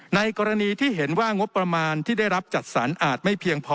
ในกรณีที่เห็นว่างบประมาณที่ได้รับจัดสรรอาจไม่เพียงพอ